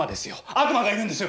悪魔がいるんですよ